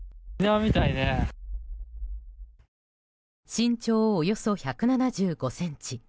身長およそ１７５ｃｍ。